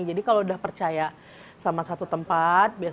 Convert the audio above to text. jadi kalau udah percaya sama satu tempat